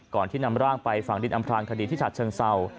ที่นำร่างไปฝังดินอำพลางคดีที่ฉัดเชิงเศร้า